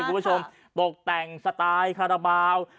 คุณผู้ชมตกแต่งสไตล์คราบาล